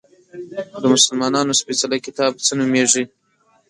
د مسلمانانو سپیڅلی کتاب څه نومیږي؟